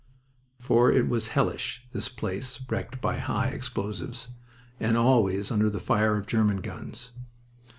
For it was hellish, this place wrecked by high explosives and always under the fire of German guns.